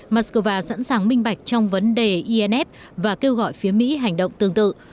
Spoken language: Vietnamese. moscow sẵn sàng minh bạch trong vấn đề inf và kêu gọi phía mỹ hành động tương tự